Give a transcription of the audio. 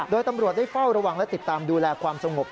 โดยตำรวจได้เฝ้าระวังและติดตามดูแลความสงบ